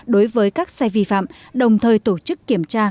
đối với các xe vi phạm đồng thời tổ chức kiểm tra